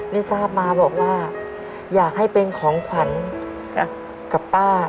ได้ทราบมาบอกว่าอยากให้เป็นของขวัญกับป้า